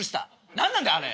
何なんだあれ。